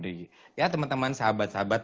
di ya teman teman sahabat sahabat